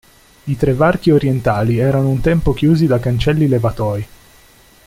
I tre varchi orientali erano un tempo chiusi da cancelli levatoi.